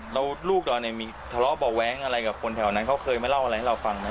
แล้วลูกเราเนี่ยมีทะเลาะเบาะแว้งอะไรกับคนแถวนั้นเขาเคยมาเล่าอะไรให้เราฟังนะ